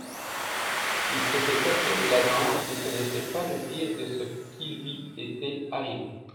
Il s'était cassé la jambe et ce n'était pas le pire de ce qui lui été arrivé.